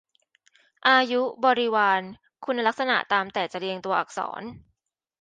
อายุ บริวาร คุณลักษณะตามแต่จะเรียงตัวอักษร